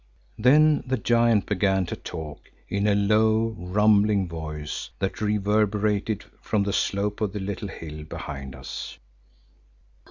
Then the giant began to talk in a low, rumbling voice that reverberated from the slope of the little hill behind us.